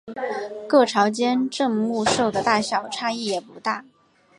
各朝间镇墓兽的大小差异也不大。